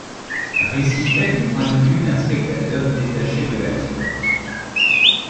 Récit fait du point de vue d’un spectateur détaché de l’action.